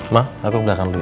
ma aku ke belakang dulu ya